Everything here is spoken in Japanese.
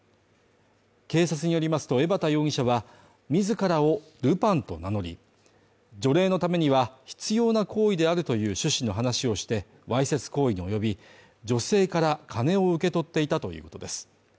警察によりますと江畑容疑者は、自らをルパンと名乗り、除霊のためには必要な行為であるという趣旨の話をして、わいせつ行為におよび女性から金を受け取っていたということです。